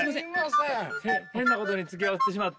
変なことにつきあわせてしまって。